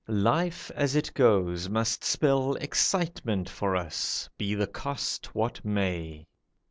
Life as it goes Must spell excitement for us, be the cost what may.